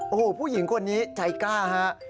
โอ้โหผู้หญิงคนนี้ใจกล้าฮะ